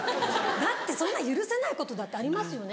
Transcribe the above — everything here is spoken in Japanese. だってそんな許せないことだってありますよね。